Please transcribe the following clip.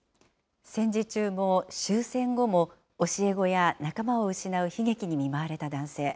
戦時中も終戦後も、教え子や仲間を失う悲劇に見舞われた男性。